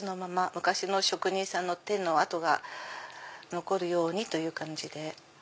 昔の職人さんの手の痕が残るようにという感じで。